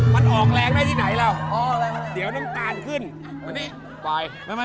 มันออกแรงได้ที่ไหนแล้ว